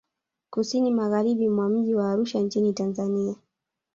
Kusini Magharibi mwa mji wa Arusha nchi ni Tanzania